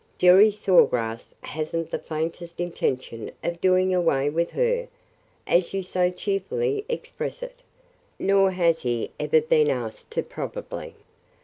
Jerry Saw Grass has n't the faintest intention of 'doing away with her,' as you so cheerfully express it. Nor has he ever been asked to probably.